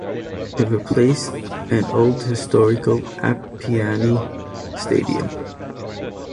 It replaced the old and historical Appiani stadium.